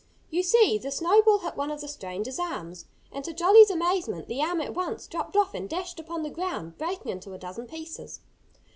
You see, the snowball hit one of the stranger's arms. And to Jolly's amazement, the arm at once dropped off and dashed upon the ground, breaking into a dozen pieces.